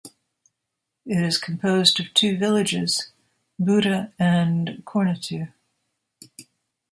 It is composed of two villages, Buda and Cornetu.